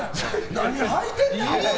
何はいてんねん。